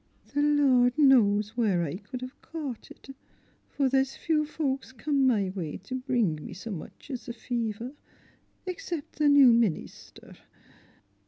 The Lord knows where I could have caught it, for there's few folks come my way to bring me so much as a fever, except the new minister.